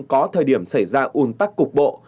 có thời điểm xảy ra ung tắc cục bộ